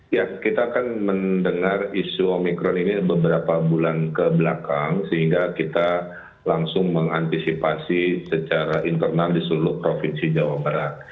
ya kita akan mendengar isu omikron ini beberapa bulan kebelakang sehingga kita langsung mengantisipasi secara internal di seluruh provinsi jawa barat